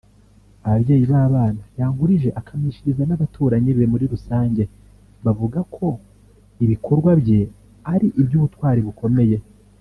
Ababyeyi b’abana Yankurije akamishiriza n’abaturanyi be muri rusange bavuga ko ibikorwa bye ari iby’ubutwari bukomeye